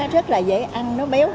rất là dễ ăn